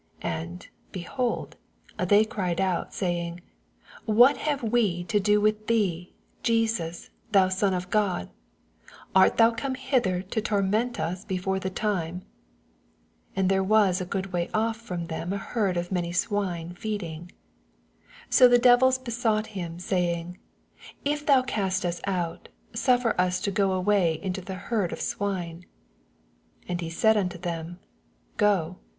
29 A^d^ behold, they cried out, Baying, Wnat have we to do with thee, JeBOBj thou Son of God 9 art thon come hither to torment ns before the time f 80 And there waa a good way off from them an herd of many swine feedinff. 81 So the devils besought him, Baying, If thou cast us out, suffer US to go away into the herd of. swine. 82 And he said unto them, Gto.